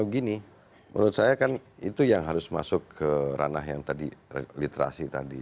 gini menurut saya kan itu yang harus masuk ke ranah yang tadi literasi tadi